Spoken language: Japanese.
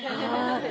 って